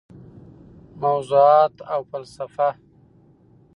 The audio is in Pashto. موضوعات او فلسفه: